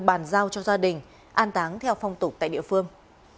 bàn giao cho gia đình an táng theo phong tục tại địa phương